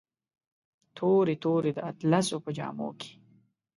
تورې، تورې د اطلسو په جامو کې